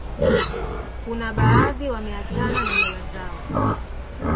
kuna baadhi wameachana na mila zao